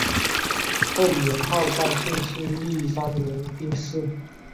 后元昊在宋庆历三年病逝。